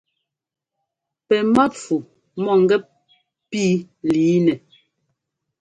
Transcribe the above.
Pɛ́ mápfu mɔ̂gɛ́p pí lǐinɛ.